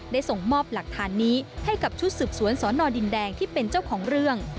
ส่งมอบหลักฐานนี้ให้กับชุดสืบสวนสอนอดินแดงที่เป็นเจ้าของเรื่อง